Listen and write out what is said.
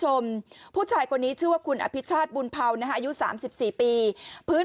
ชมผู้ชายคนนี้ชื่อว่าคุณอภิชาติบุญเภานะฮะอายุ๓๔ปีพื้น